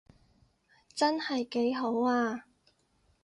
真係幾好啊